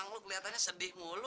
bang lo kelihatannya sedih mulu